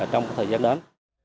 trong thời gian đến